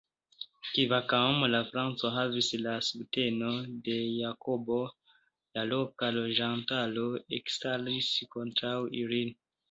Kvankam la Francoj havis la subtenon de Jakobo, la loka loĝantaro ekstaris kontraŭ ili.